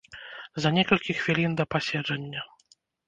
За некалькі хвілін да паседжання.